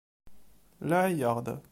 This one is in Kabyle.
Laɛi-yaɣ-d.